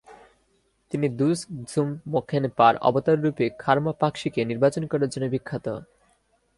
তিনি দুস-গ্সুম-ম্খ্যেন-পার অবতাররূপে কার্মা-পাক্শিকে নির্বাচন করার জন্য বিখ্যাত।